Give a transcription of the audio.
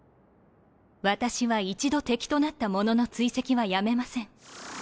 私は一度敵となった者の追跡はやめません。